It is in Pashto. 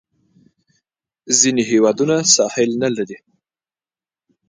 ځینې هیوادونه ساحل نه لري.